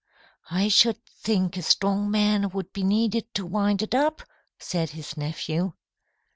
"I should think a strong man would be needed to wind it up," said his nephew.